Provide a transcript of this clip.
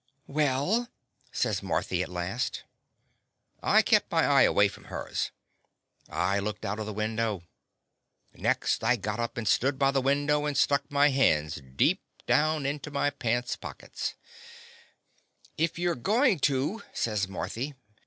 "Well?" says Marthy, at last. I kept my eye away from hers. I looked out of the window. Next I got up and stood by the window and stuck my hands deep down into my pants pockets. . The Confessions of a Daddy "If you 're goin' to—" says Mar thy.